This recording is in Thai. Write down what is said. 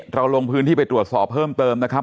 ลงพื้นที่ไปตรวจสอบเพิ่มเติมนะครับ